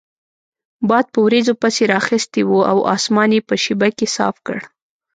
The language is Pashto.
باد په وریځو پسې رااخیستی وو او اسمان یې په شیبه کې صاف کړ.